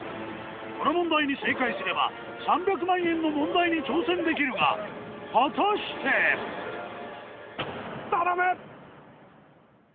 この問題に正解すれば３００万円の問題に挑戦できるが果たして⁉頼む！